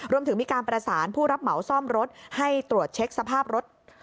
รวมถึงมีการประสานผู้รับเหมาซ่อมรถให้ตรวจเช็คสภาพรถ